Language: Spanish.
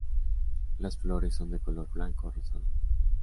Las flores son de color blanco o rosado.